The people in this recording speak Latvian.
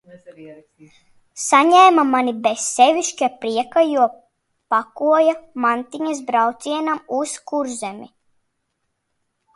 Saņēma mani bez sevišķa prieka, jo pakoja mantiņas, braucienam uz Kurzemi.